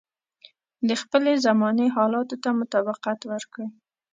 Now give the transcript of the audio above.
د خپلې زمانې حالاتو ته مطابقت ورکړي.